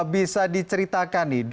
bisa diceritakan nih